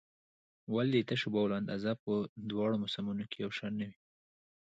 ولې د تشو بولو اندازه په دواړو موسمونو کې یو شان نه وي؟